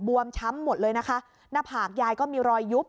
วมช้ำหมดเลยนะคะหน้าผากยายก็มีรอยยุบ